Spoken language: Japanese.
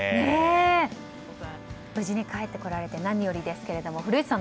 無事に帰ってこられて何よりですけど古市さん